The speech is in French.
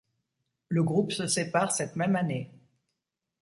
Le groupe se sépare cette même année.